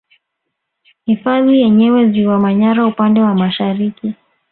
Hifadhi yenyewe Ziwa Manyara upande wa Mashariki